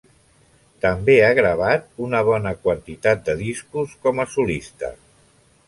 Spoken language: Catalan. També ha gravat una bona quantitat de discos com a solista.